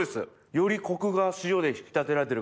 よりコクが塩で引き立てられてる感じ。